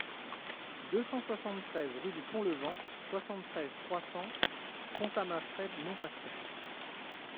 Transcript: deux cent soixante-treize rue du Pont Levant, soixante-treize, trois cents, Pontamafrey-Montpascal